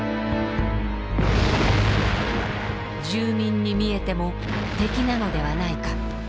「住民に見えても敵なのではないか」。